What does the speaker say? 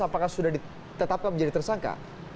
apakah sudah ditetapkan menjadi tersangka